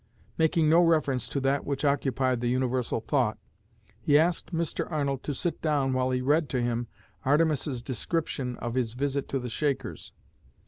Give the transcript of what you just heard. Making no reference to that which occupied the universal thought, he asked Mr. Arnold to sit down while he read to him Artemus' description of his visit to the Shakers.